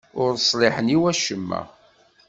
Ur ṣliḥen i wacemma.